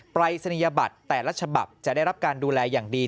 ปรายศนียบัตรแต่ละฉบับจะได้รับการดูแลอย่างดี